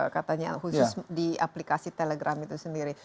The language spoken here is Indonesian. katanya khusus di aplikasi telegram itu sendiri